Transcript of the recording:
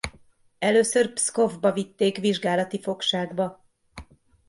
Először Pszkovba vitték vizsgálati fogságba.